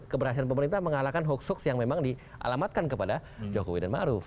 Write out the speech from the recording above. keberhasilan pemerintah mengalahkan hoax hoax yang memang dialamatkan kepada jokowi dan maruf